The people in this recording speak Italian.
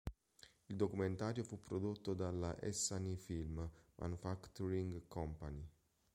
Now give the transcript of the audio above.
Il documentario fu prodotto dalla Essanay Film Manufacturing Company.